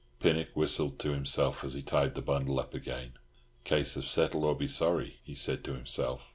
Pinnock whistled to himself as he tied the bundle up again. "Case of settle or be sorry," he said to himself.